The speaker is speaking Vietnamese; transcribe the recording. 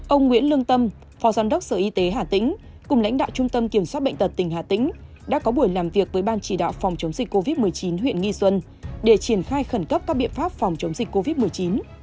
ông nguyễn lương tâm phó giám đốc sở y tế hà tĩnh cùng lãnh đạo trung tâm kiểm soát bệnh tật tỉnh hà tĩnh đã có buổi làm việc với ban chỉ đạo phòng chống dịch covid một mươi chín huyện nghi xuân để triển khai khẩn cấp các biện pháp phòng chống dịch covid một mươi chín